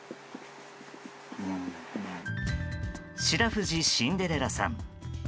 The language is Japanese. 白藤シンデレラさん。